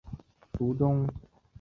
途中开始下雪了